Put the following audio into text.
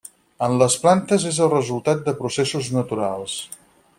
En les plantes és el resultat de processos naturals.